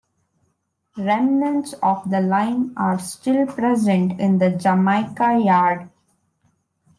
Remnants of the line are still present in the Jamaica Yard.